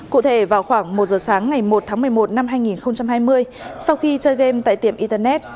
cụ thể vào khoảng một giờ sáng ngày một tháng một mươi một năm hai nghìn hai mươi sau khi chơi game tại tiệm internet